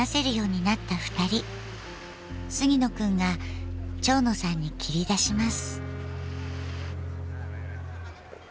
杉野くんが蝶野さんに切り出します。